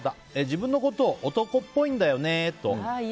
自分のことを男っぽいんだよねと。